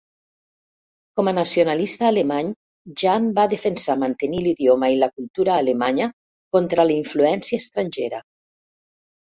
Com a nacionalista alemany, Jahn va defensar mantenir l'idioma i la cultura alemanya contra la influència estrangera.